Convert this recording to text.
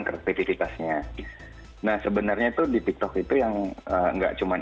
kreativitas nya nah sebenarnya itu di tiktok itu yang enggak cuman